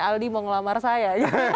aldi mau ngelamar saya